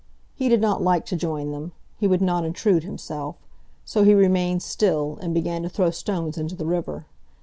He did not like to join them. He would not intrude himself. So he remained still, and began to throw stones into the river.